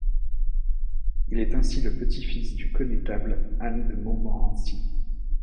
Il est ainsi le petit-fils du connétable Anne de Montmorency.